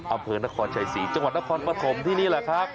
อำเภอนครชัยศรีจังหวัดนครปฐมที่นี่แหละครับ